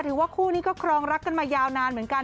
ว่าคู่นี้ก็ครองรักกันมายาวนานเหมือนกัน